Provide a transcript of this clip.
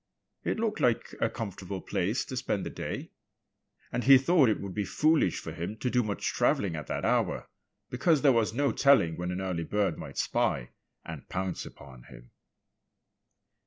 It looked like a comfortable place to spend the day. And he thought it would be foolish for him to do much travelling at that hour, because there was no telling when an early bird might spy and pounce upon him.